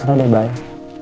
karena udah baik